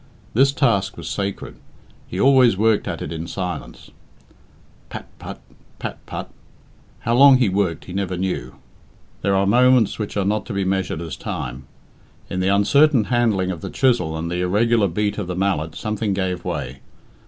This task was sacred. He always worked at it in silence. Pat put! pat put! How long he worked he never knew. There are moments which are not to be measured as time. In the uncertain handling of the chisel and the irregular beat of the mallet something gave way.